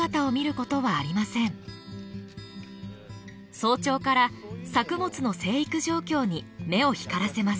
早朝から作物の生育状況に目を光らせます。